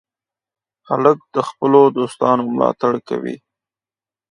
هلک د خپلو دوستانو ملاتړ کوي.